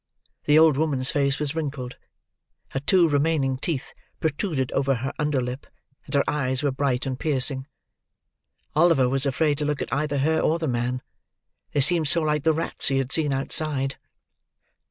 The old woman's face was wrinkled; her two remaining teeth protruded over her under lip; and her eyes were bright and piercing. Oliver was afraid to look at either her or the man. They seemed so like the rats he had seen outside.